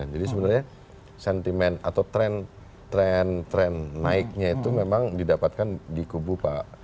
jadi sebenarnya sentimen atau tren tren naiknya itu memang didapatkan di kubu pak